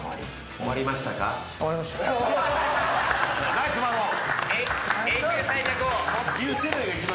ナイスマロン！